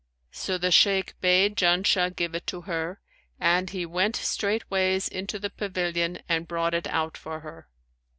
So the Shaykh bade Janshah give it to her, and he went straightways into the pavilion and brought it out for her.